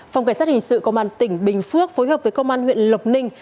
phòng cảnh sát hình sự công an tỉnh bình phước phối hợp với công an huyện lộc ninh